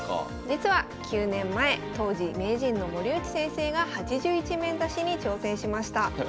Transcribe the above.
実は９年前当時名人の森内先生が８１面指しに挑戦しました。